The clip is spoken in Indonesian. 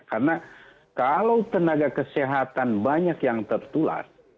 karena kalau tenaga kesehatan banyak yang tertular